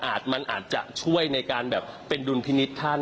มันอาจจะช่วยในการแบบเป็นดุลพินิษฐ์ท่าน